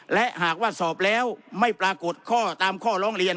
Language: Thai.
และหากว่าสอบแล้วไม่ปรากฏข้อตามข้อร้องเรียน